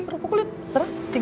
malah yang narersih